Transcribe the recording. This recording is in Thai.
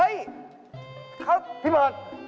เออเฮ้ยเขาพี่บอส